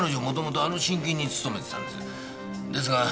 もともとあの信金に勤めてたんです。